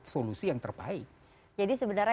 solusi yang terbaik jadi sebenarnya